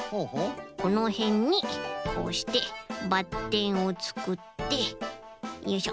このへんにこうしてばってんをつくってよいしょ。